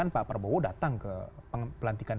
pak prabowo datang ke pelantikan